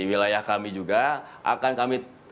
wilayah kami juga akan kami